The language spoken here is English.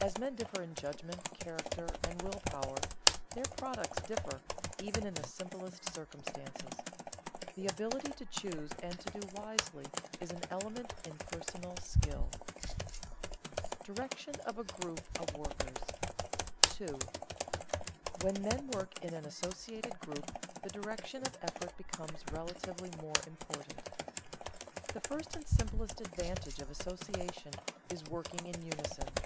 As men differ in judgment, character, and will power, their products differ, even in the simplest circumstances. The ability to choose and to do wisely is an element in personal skill. [Sidenote: Direction of a group of workers] 2. When men work in an associated group, the direction of effort becomes relatively more important. The first and simplest advantage of association is working in unison.